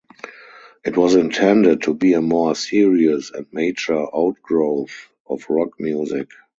It was intended to be a more serious and mature outgrowth of rock music.